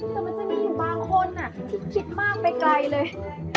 แต่มันจะมีอยู่บางคนที่คิดมากไปไกลเลย